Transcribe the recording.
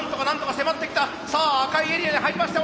さあ赤いエリアに入りました！